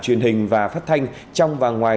truyền hình và phát thanh trong và ngoài